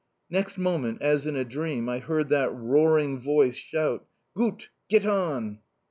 Next moment, as in a dream, I heard that roaring voice shout: "Gut! Get on!"